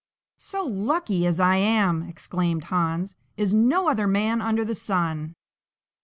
"So lucky as I am," exclaimed Hans, "is no other man under the sun!"